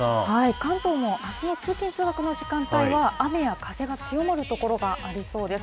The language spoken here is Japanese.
関東もあすの通勤・通学の時間帯は、雨や風が強まる所がありそうです。